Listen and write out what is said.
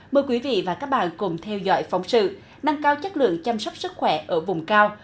mời quý vị và các bạn cùng theo dõi phóng sự nâng cao chất lượng chăm sóc sức khỏe ở vùng cao